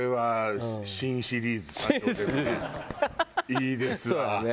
いいですわ。